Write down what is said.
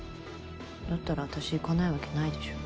だったら私行かないわけないでしょ。